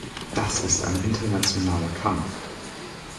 Das ist ein internationaler Kampf.